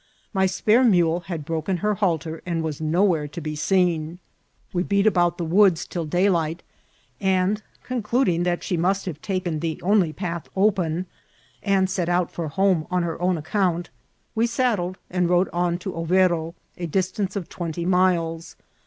My epaie mule had broken her halter, and was nowfaeie to be seen. We beat about among the woods till daylight, and concluding that she must haTc taken Ae only path open^ and set out for home on her own account, we saddled and rode on to Overo, a distance of twenty miles.